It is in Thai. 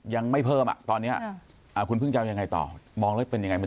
ยังไม่เพิ่มตอนนี้คุณเพิ่งเจ้ายังไงต่อมองเป็นยังไงมัน